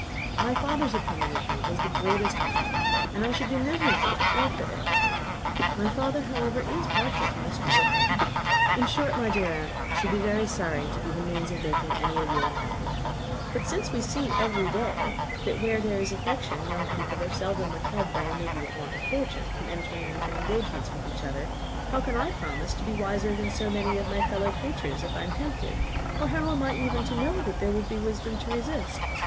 My father's opinion of me does me the greatest honour; and I should be miserable to forfeit it. My father, however, is partial to Mr. Wickham. In short, my dear aunt, I should be very sorry to be the means of making any of you unhappy; but since we see, every day, that where there is affection young people are seldom withheld, by immediate want of fortune, from entering into engagements with each other, how can I promise to be wiser than so many of my fellow creatures, if I am tempted, or how am I even to know that it would be wiser to resist?